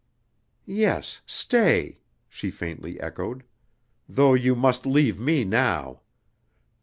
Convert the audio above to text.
"Yes stay," she faintly echoed; "though you must leave me now.